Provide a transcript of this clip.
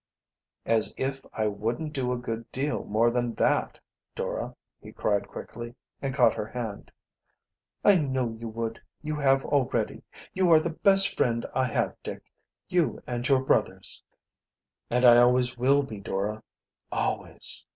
"As if I wouldn't do a good deal more than that, Dora," he cried quickly, and caught her hand. "I know you would you have already. You are the best friend I have, Dick you and your brothers." "And I always will be, Dora, always!"